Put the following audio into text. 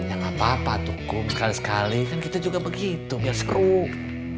ya nggak apa apa tukum sekali sekali kan kita juga begitu biar skrung